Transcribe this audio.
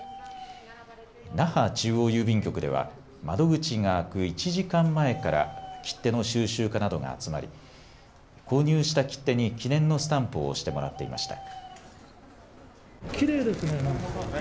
那覇中央郵便局では窓口が開く１時間前から切手の収集家などが集まり購入した切手に記念のスタンプを押してもらっていました。